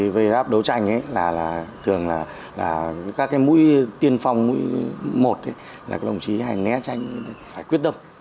về giáp đấu tranh thường là các mũi tiên phong mũi một là đồng chí hay né tranh phải quyết tâm